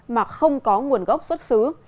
mà không có nguồn gốc xuất xứ